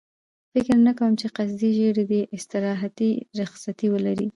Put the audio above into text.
فکر نه کوم چې قصدي ژېړی دې استراحتي رخصتي ولري.